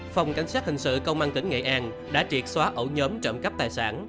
phòng cảnh sát hình sự công an tỉnh nghệ an đã triệt xóa ẩu nhóm trộm cắp tài sản